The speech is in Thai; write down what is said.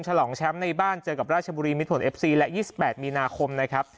ฉลองแชมป์ในบ้านเจอกับราชบุรีมิดผลเอฟซีและ๒๘มีนาคมนะครับ